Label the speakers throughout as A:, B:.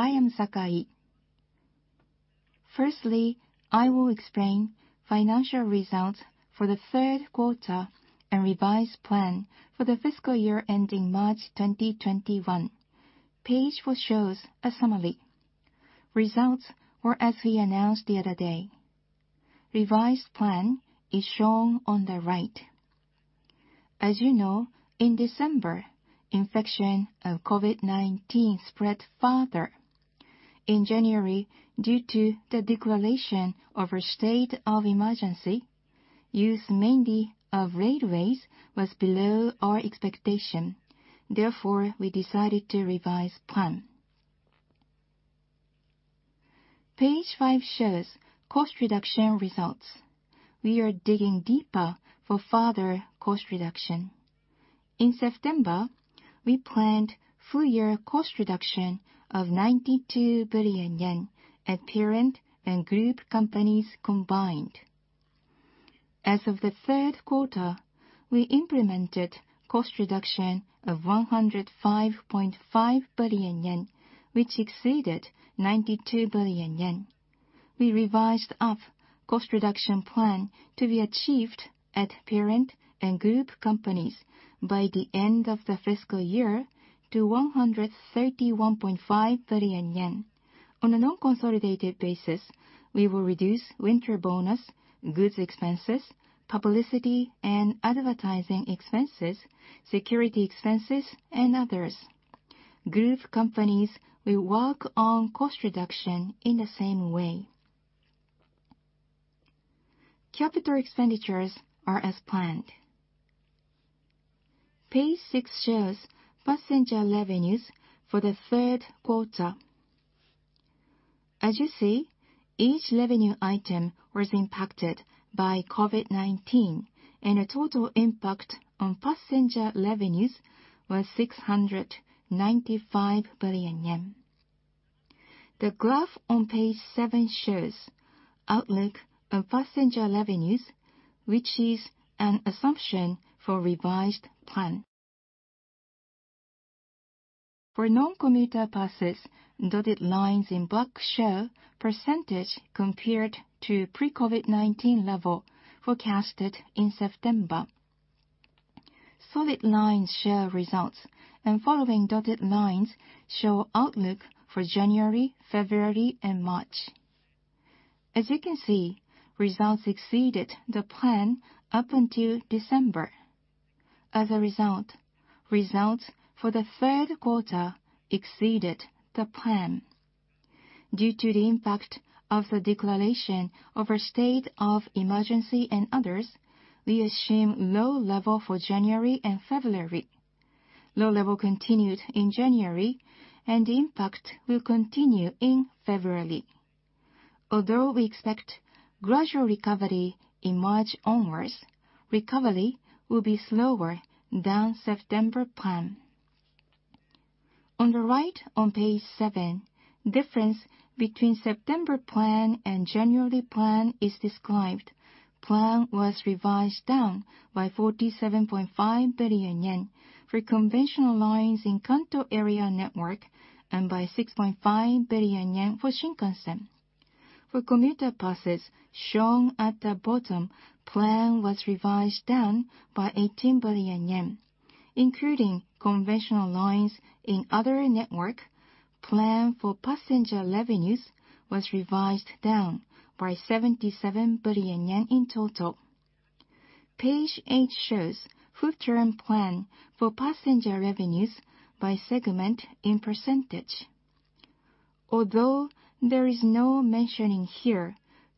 A: I am Sakai. I will explain financial results for the Q3 and revised plan for the fiscal year ending March 2021. Page four shows a summary. Results were as we announced the other day. Revised plan is shown on the right. As you know, in December, infection of COVID-19 spread further. In January, due to the declaration of a state of emergency, use mainly of railways was below our expectation. We decided to revise plan. Page five shows cost reduction results. We are digging deeper for further cost reduction. In September, we planned full-year cost reduction of 92 billion yen at parent and group companies combined. As of the Q3, we implemented cost reduction of 105.5 billion yen, which exceeded 92 billion yen. We revised up cost reduction plan to be achieved at parent and group companies by the end of the fiscal year to 131.5 billion yen. On a non-consolidated basis, we will reduce winter bonus, goods expenses, publicity and advertising expenses, security expenses, and others. Group companies will work on cost reduction in the same way. Capital expenditures are as planned. Page six shows passenger revenues for the Q3. As you see, each revenue item was impacted by COVID-19, and the total impact on passenger revenues was 695 billion yen. The graph on page seven shows outlook of passenger revenues, which is an assumption for revised plan. For non-commuter passes, dotted lines in black show percentage compared to pre-COVID-19 level forecasted in September. Solid lines show results, and following dotted lines show outlook for January, February, and March. As you can see, results exceeded the plan up until December. As a result, results for the Q3 exceeded the plan. Due to the impact of the declaration of a state of emergency and others, we assume low level for January and February. Low level continued in January, and the impact will continue in February. Although we expect gradual recovery in March onwards, recovery will be slower than September plan. On the right on page seven, difference between September plan and January plan is described. Plan was revised down by 47.5 billion yen for conventional lines in Kanto area network and by 6.5 billion yen for Shinkansen. For commuter passes shown at the bottom, plan was revised down by 18 billion yen, including conventional lines in other network. Plan for passenger revenues was revised down by 77 billion yen in total. Page eight shows full-term plan for passenger revenues by segment in percentage. Although there is no mentioning here,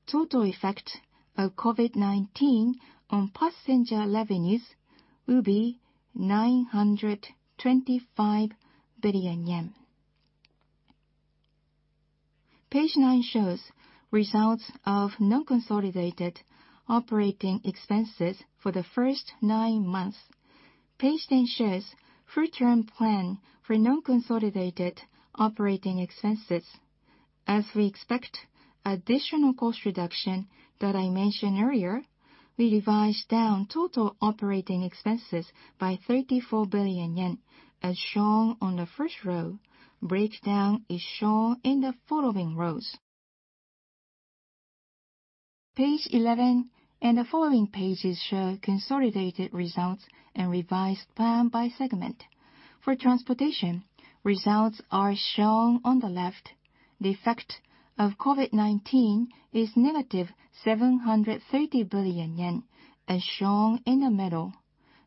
A: total effect of COVID-19 on passenger revenues will be JPY 925 billion. Page nine shows results of non-consolidated operating expenses for the first nine months. Page 10 shows full-term plan for non-consolidated operating expenses. As we expect additional cost reduction that I mentioned earlier, we revised down total operating expenses by 34 billion yen, as shown on the first row. Breakdown is shown in the following rows. Page 11 and the following pages show consolidated results and revised plan by segment. For transportation, results are shown on the left. The effect of COVID-19 is negative 730 billion yen, as shown in the middle.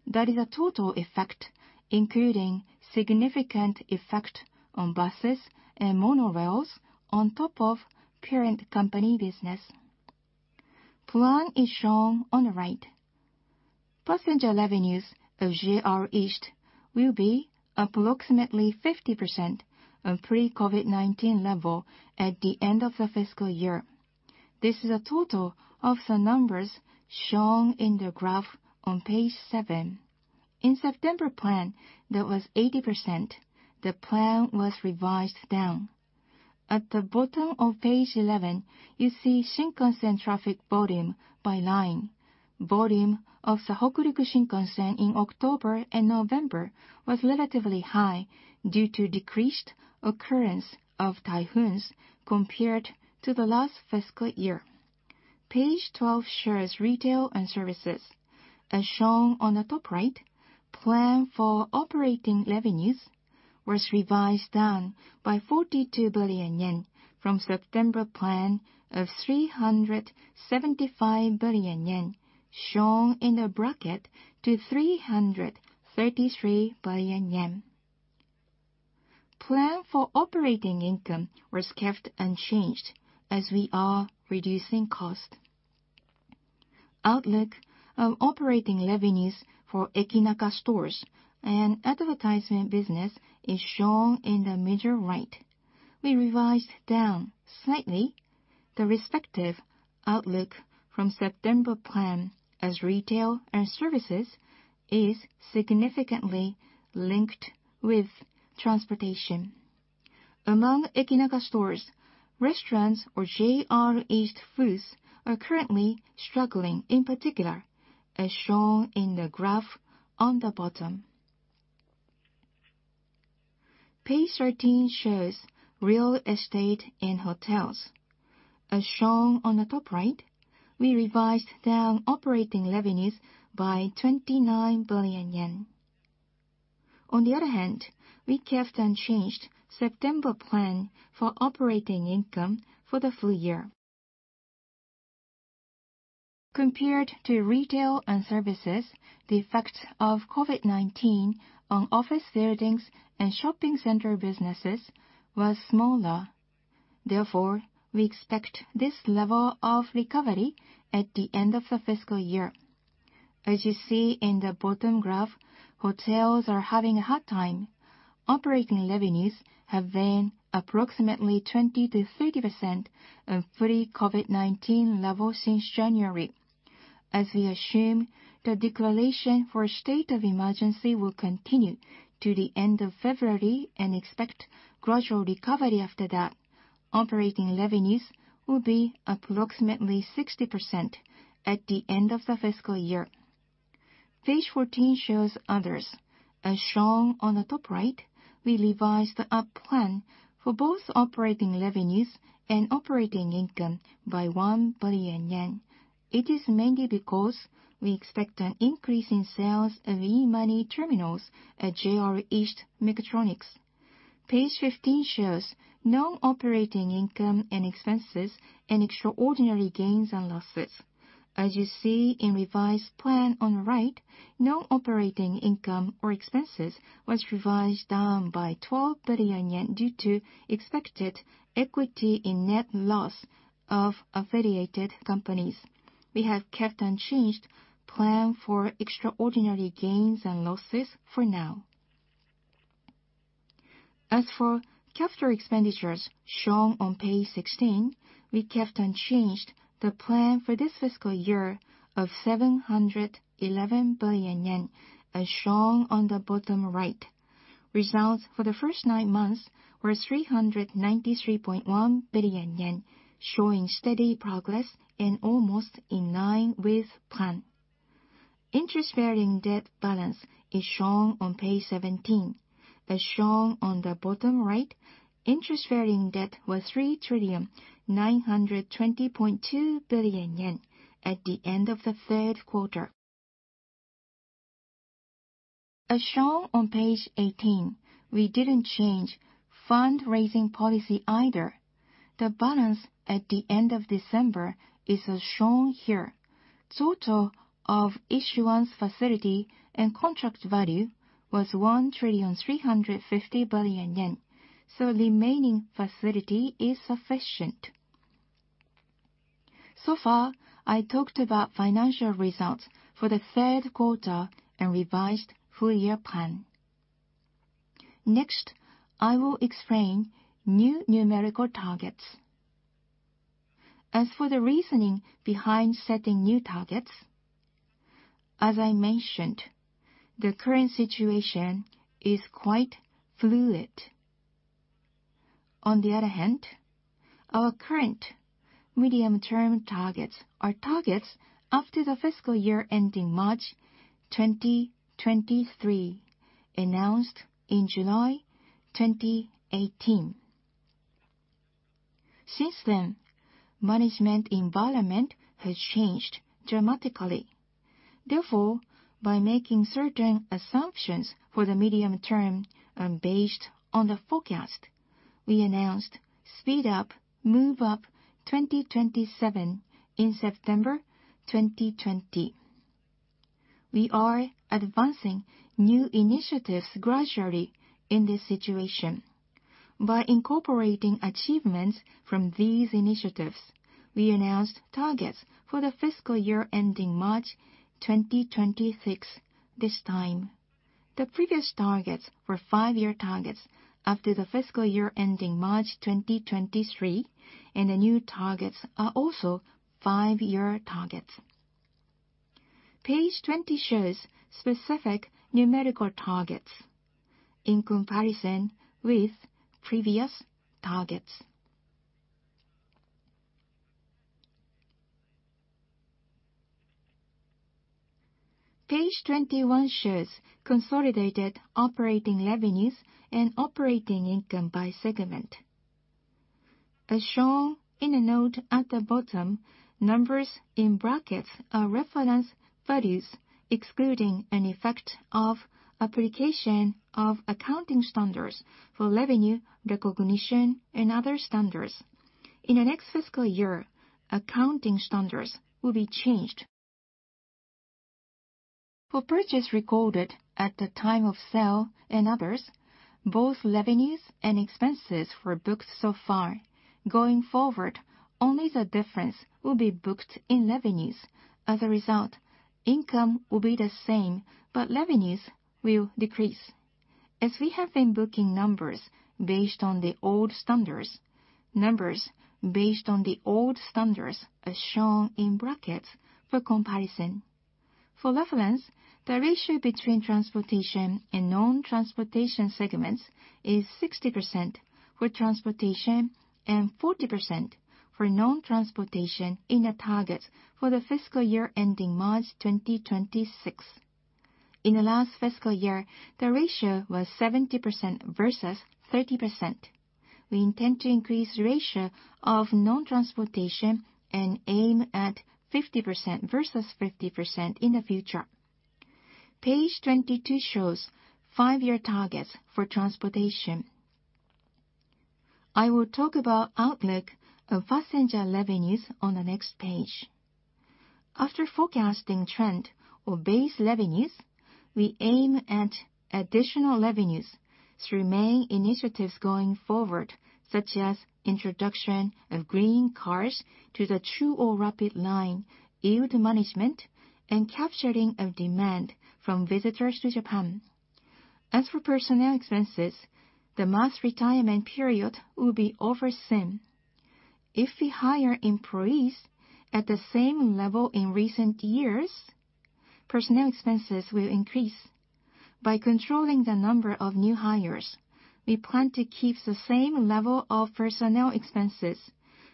A: That is a total effect, including significant effect on buses and monorails on top of parent company business. Plan is shown on the right. Passenger revenues of JR East will be approximately 50% of pre-COVID-19 level at the end of the fiscal year. This is a total of the numbers shown in the graph on page seven. In September plan, that was 80%. The plan was revised down. At the bottom of page 11, you see Shinkansen traffic volume by line. Volume of the Hokuriku Shinkansen in October and November was relatively high due to decreased occurrence of typhoons compared to the last fiscal year. Page 12 shares retail and services. As shown on the top right, plan for operating revenues was revised down by 42 billion yen from September plan of 375 billion yen shown in the bracket to 333 billion yen. Plan for operating income was kept unchanged as we are reducing cost. Outlook of operating revenues for Ekinaka stores and advertisement business is shown in the middle right. We revised down slightly the respective outlook from September plan as retail and services is significantly linked with transportation. Among Ekinaka stores, restaurants or JR East Foods are currently struggling in particular, as shown in the graph on the bottom. Page 13 shows real estate and hotels. As shown on the top right, we revised down operating revenues by 29 billion yen. We kept unchanged September plan for operating income for the full year. Compared to retail and services, the effect of COVID-19 on office buildings and shopping center businesses was smaller. We expect this level of recovery at the end of the fiscal year. As you see in the bottom graph, hotels are having a hard time. Operating revenues have been approximately 20%-30% of pre-COVID-19 levels since January. As we assume the declaration for a state of emergency will continue to the end of February and expect gradual recovery after that, operating revenues will be approximately 60% at the end of the fiscal year. Page 14 shows others. As shown on the top right, we revised up plan for both operating revenues and operating income by 1 billion yen. It is mainly because we expect an increase in sales of e-money terminals at JR East Mechatronics. Page 15 shows non-operating income and expenses and extraordinary gains and losses. As you see in revised plan on the right, non-operating income or expenses was revised down by 12 billion yen due to expected equity in net loss of affiliated companies. We have kept unchanged plan for extraordinary gains and losses for now. As for capital expenditures shown on page 16, we kept unchanged the plan for this fiscal year of 711 billion yen, as shown on the bottom right. Results for the first nine months were 393.1 billion yen, showing steady progress and almost in line with plan. Interest-bearing debt balance is shown on page 17. As shown on the bottom right, interest-bearing debt was 3,920.2 billion yen at the end of the Q3. As shown on page 18, we didn't change fundraising policy either. The balance at the end of December is as shown here. Total of issuance facility and contract value was 1,350 billion yen. Remaining facility is sufficient. So far, I talked about financial results for the Q3 and revised full-year plan. Next, I will explain new numerical targets. As for the reasoning behind setting new targets, as I mentioned, the current situation is quite fluid. On the other hand, our current medium-term targets are targets after the fiscal year ending March 2023, announced in July 2018. Since then, management environment has changed dramatically. By making certain assumptions for the medium term and based on the forecast, we announced Speed up Move Up 2027 in September 2020. We are advancing new initiatives gradually in this situation. By incorporating achievements from these initiatives, we announced targets for the fiscal year ending March 2026 this time. The previous targets were five-year targets after the fiscal year ending March 2023, and the new targets are also five-year targets. Page 20 shows specific numerical targets in comparison with previous targets. Page 21 shows consolidated operating revenues and operating income by segment. As shown in a note at the bottom, numbers in brackets are reference values excluding an effect of application of accounting standards for revenue recognition and other standards. In the next fiscal year, accounting standards will be changed. For purchase recorded at the time of sale and others, both revenues and expenses were booked so far. Going forward, only the difference will be booked in revenues. As a result, income will be the same, but revenues will decrease. As we have been booking numbers based on the old standards, numbers based on the old standards are shown in brackets for comparison. For reference, the ratio between transportation and non-transportation segments is 60% for transportation and 40% for non-transportation in the targets for the fiscal year ending March 2026. In the last fiscal year, the ratio was 70% versus 30%. We intend to increase ratio of non-transportation and aim at 50% versus 50% in the future. Page 22 shows five-year targets for transportation. I will talk about outlook of passenger revenues on the next page. After forecasting trend of base revenues, we aim at additional revenues through main initiatives going forward, such as introduction of Green Cars to the Chuo Rapid Line, yield management, and capturing of demand from visitors to Japan. As for personnel expenses, the mass retirement period will be over soon. If we hire employees at the same level in recent years, personnel expenses will increase. By controlling the number of new hires, we plan to keep the same level of personnel expenses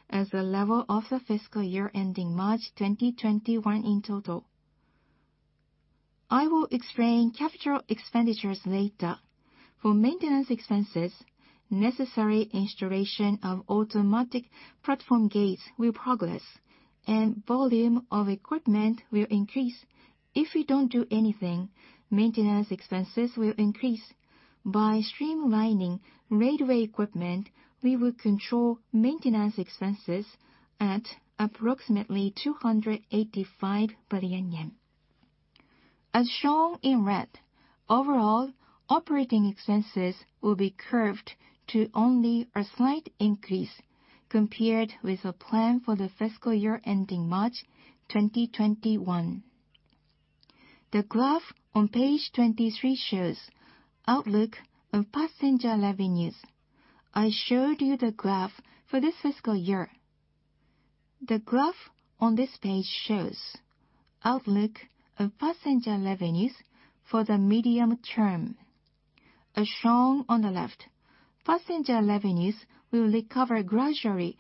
A: as the level of the fiscal year ending March 2021 in total. I will explain capital expenditures later. For maintenance expenses, necessary installation of automatic platform gates will progress, and volume of equipment will increase. If we don't do anything, maintenance expenses will increase. By streamlining railway equipment, we will control maintenance expenses at approximately 285 billion yen. As shown in red, overall operating expenses will be curbed to only a slight increase compared with the plan for the fiscal year ending March 2021. The graph on page 23 shows outlook of passenger revenues. I showed you the graph for this fiscal year. The graph on this page shows outlook of passenger revenues for the medium term. As shown on the left, passenger revenues will recover gradually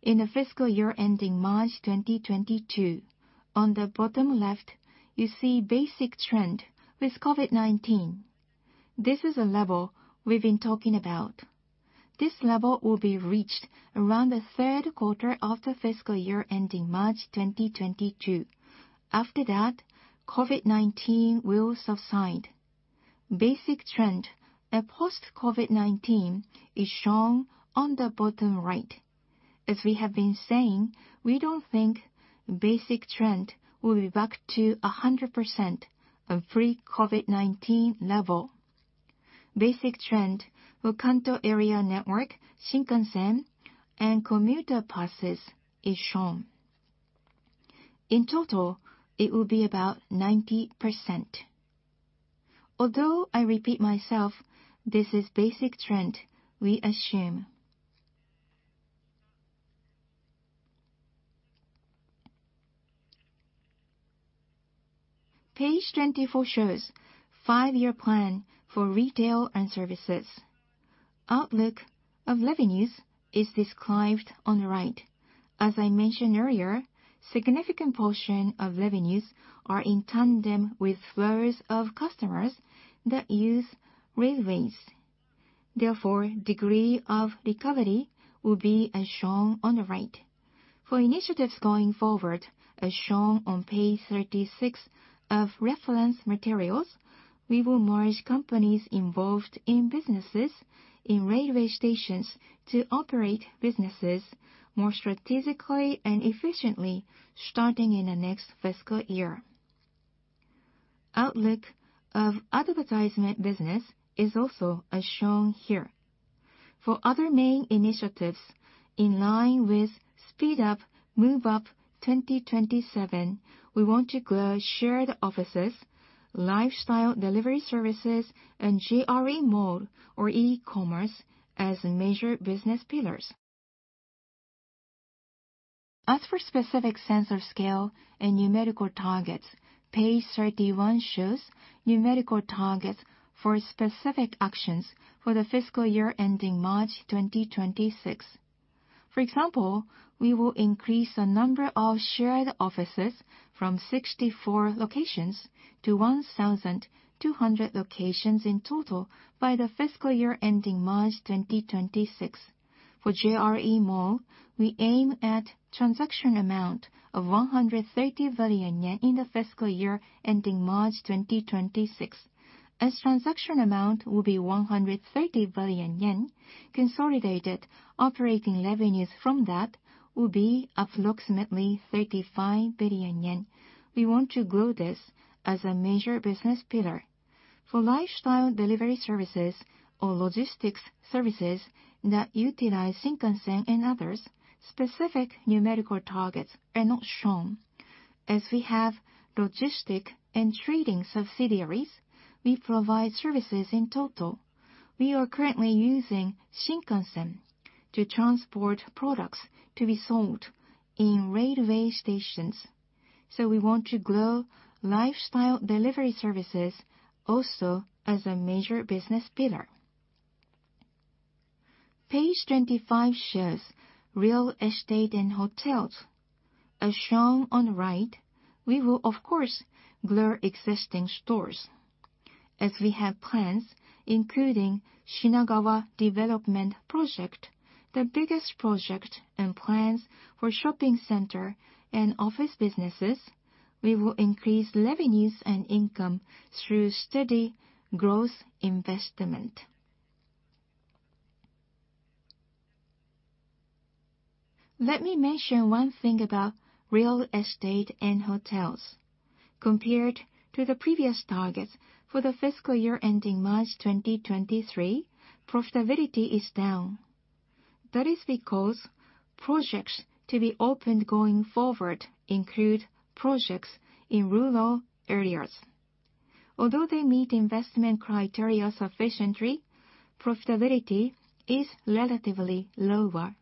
A: in the fiscal year ending March 2022. On the bottom left, you see basic trend with COVID-19. This is a level we've been talking about. This level will be reached around the Q3 of the fiscal year ending March 2022. After that, COVID-19 will subside. Basic trend at post-COVID-19 is shown on the bottom right. As we have been saying, we don't think basic trend will be back to 100% of pre-COVID-19 level. Basic trend for Kanto area network, Shinkansen, and commuter passes is shown. In total, it will be about 90%. Although I repeat myself, this is basic trend we assume. Page 24 shows five-year plan for retail and services. Outlook of revenues is described on the right. As I mentioned earlier, significant portion of revenues are in tandem with flows of customers that use railways. Therefore, degree of recovery will be as shown on the right. For initiatives going forward, as shown on page 36 of reference materials, we will merge companies involved in businesses in railway stations to operate businesses more strategically and efficiently starting in the next fiscal year. Outlook of advertisement business is also as shown here. Other main initiatives in line with Speed up 2027, we want to grow shared offices, lifestyle delivery services, and JRE MALL or e-commerce as major business pillars. Specific sensor scale and numerical targets, page 31 shows numerical targets for specific actions for the fiscal year ending March 2026. We will increase the number of shared offices from 64 locations to 1,200 locations in total by the fiscal year ending March 2026. JRE MALL, we aim at transaction amount of 130 billion yen in the fiscal year ending March 2026. Transaction amount will be 130 billion yen, consolidated operating revenues from that will be approximately 35 billion yen. We want to grow this as a major business pillar. Lifestyle delivery services or logistics services that utilize Shinkansen and others, specific numerical targets are not shown. We have logistic and trading subsidiaries, we provide services in total. We are currently using Shinkansen to transport products to be sold in railway stations, so we want to grow lifestyle delivery services also as a major business pillar. Page 25 shows real estate and hotels. Shown on the right, we will of course grow existing stores. We have plans including Shinagawa Development Project, the biggest project, and plans for shopping center and office businesses, we will increase revenues and income through steady growth investment. Let me mention one thing about real estate and hotels. Compared to the previous targets for the fiscal year ending March 2023, profitability is down. That is because projects to be opened going forward include projects in rural areas. Although they meet investment criteria sufficiently, profitability is relatively lower.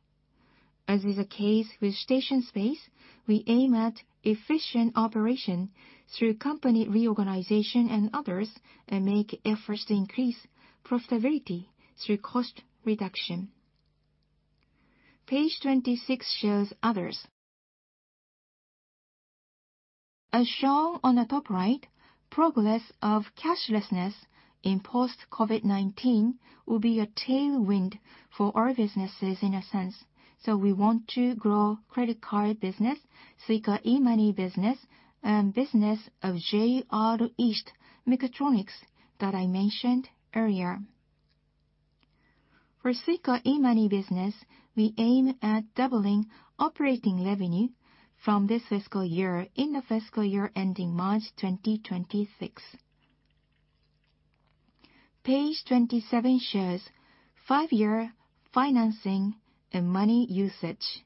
A: As is the case with station space, we aim at efficient operation through company reorganization and others, and make efforts to increase profitability through cost reduction. Page 26 shows others. As shown on the top right, progress of cashlessness in post-COVID-19 will be a tailwind for our businesses in a sense. We want to grow credit card business, Suica e-Money business, and business of JR East Mechatronics that I mentioned earlier. For Suica e-Money business, we aim at doubling operating revenue from this fiscal year in the fiscal year ending March 2026. Page 27 shows five-year financing and money usage.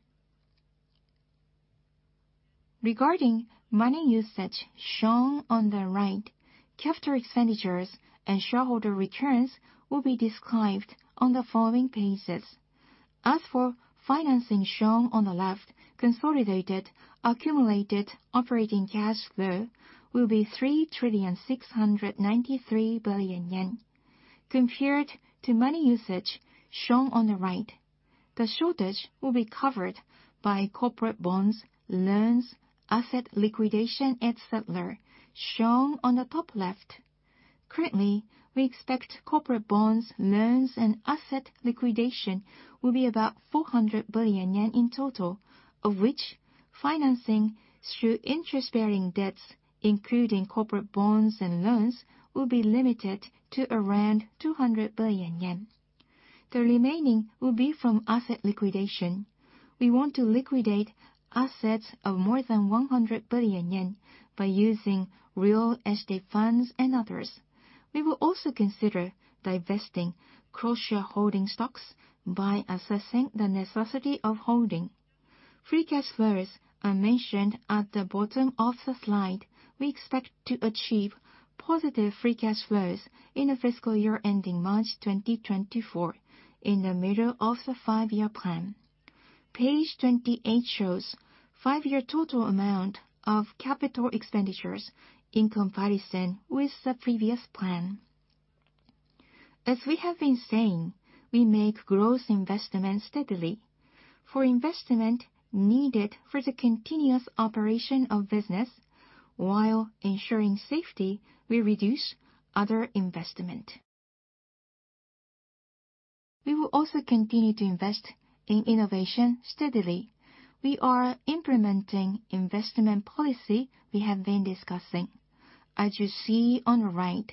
A: Regarding money usage shown on the right, capital expenditures and shareholder returns will be described on the following pages. As for financing shown on the left, consolidated accumulated operating cash flow will be 3,693 billion yen. Compared to money usage shown on the right, the shortage will be covered by corporate bonds, loans, asset liquidation, et cetera, shown on the top left. Currently, we expect corporate bonds, loans, and asset liquidation will be about 400 billion yen in total, of which financing through interest-bearing debts, including corporate bonds and loans, will be limited to around 200 billion yen. The remaining will be from asset liquidation. We want to liquidate assets of more than 100 billion yen by using real estate funds and others. We will also consider divesting cross-shareholding stocks by assessing the necessity of holding. Free cash flows are mentioned at the bottom of the slide. We expect to achieve positive free cash flows in the fiscal year ending March 2024, in the middle of the five-year plan. Page 28 shows five-year total amount of capital expenditures in comparison with the previous plan. As we have been saying, we make growth investments steadily. For investment needed for the continuous operation of business while ensuring safety, we reduce other investment. We will also continue to invest in innovation steadily. We are implementing investment policy we have been discussing. As you see on the right,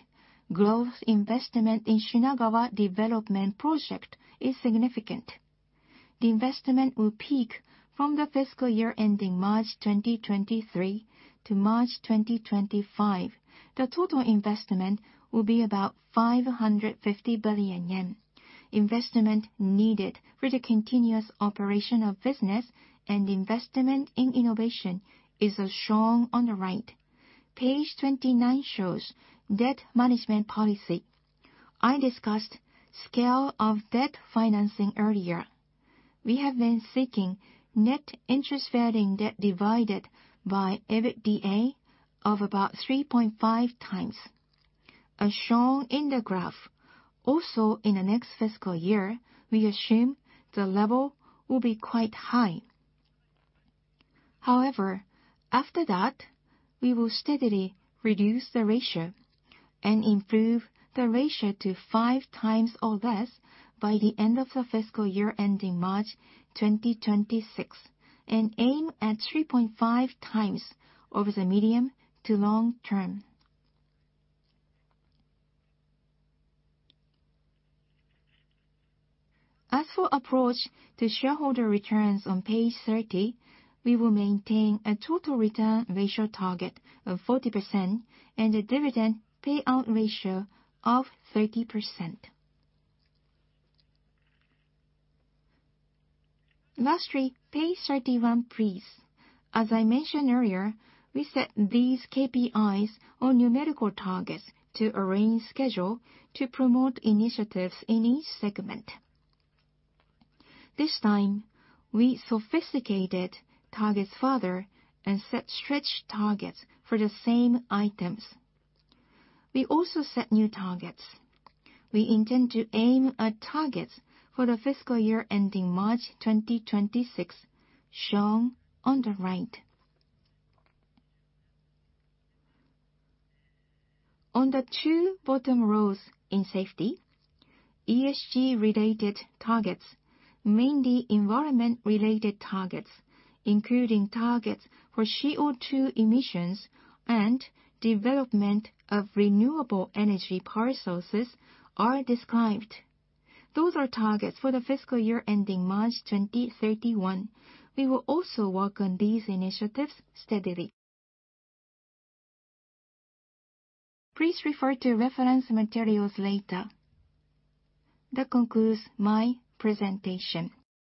A: growth investment in Shinagawa Development Project is significant. The investment will peak from the fiscal year ending March 2023-March 2025. The total investment will be about 550 billion yen. Investment needed for the continuous operation of business and investment in innovation is as shown on the right. Page 29 shows debt management policy. I discussed scale of debt financing earlier. We have been seeking net interest-bearing debt divided by EBITDA of about 3.5 times. As shown in the graph, also in the next fiscal year, we assume the level will be quite high. After that, we will steadily reduce the ratio and improve the ratio to five times or less by the end of the fiscal year ending March 2026, and aim at 3.5 times over the medium to long term. As for approach to shareholder returns on page 30, we will maintain a total return ratio target of 40% and a dividend payout ratio of 30%. Lastly, page 31, please. As I mentioned earlier, we set these KPIs or numerical targets to arrange schedule to promote initiatives in each segment. This time, we sophisticated targets further and set stretch targets for the same items. We also set new targets. We intend to aim at targets for the fiscal year ending March 2026, shown on the right. On the two bottom rows in safety, ESG-related targets, mainly environment-related targets, including targets for CO2 emissions and development of renewable energy power sources, are described. Those are targets for the fiscal year ending March 2031. We will also work on these initiatives steadily. Please refer to reference materials later. That concludes my presentation.